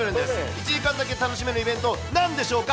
１時間だけ楽しめるイベント、なんでしょうか。